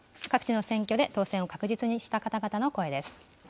では、各地の選挙で当選を確実にした方々の声です。